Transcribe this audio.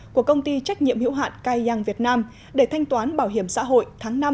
của công ty trách nhiệm hữu hạn cai giang việt nam để thanh toán bảo hiểm xã hội tháng năm